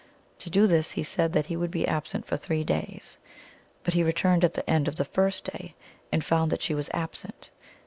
To do this he said that he would be absent for three days. But he returned at the end of the first day, and found that she was absent.